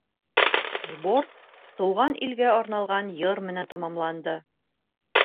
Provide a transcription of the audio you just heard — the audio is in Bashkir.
Сбор Тыуған илгә арналған йыр менән тамамланды.